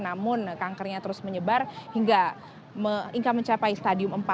namun kankernya terus menyebar hingga mencapai stadium empat